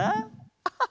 アハハ！